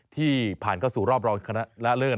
ที่ผ่านเข้าสู่รอบร่องคณะระเร่อน